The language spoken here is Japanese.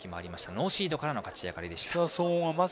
ノーシードからの勝ち上がりでした。